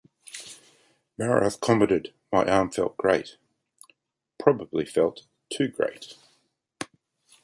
Maroth commented My arm felt great...Probably felt too great.